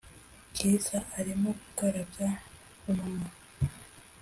bwiza arimo gukarabya umwana